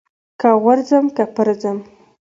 که غورځم که پرځم.